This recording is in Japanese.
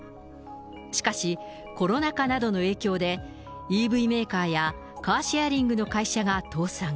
しかし、コロナ禍などの影響で、ＥＶメーカーやカーシェアリングの会社が倒産。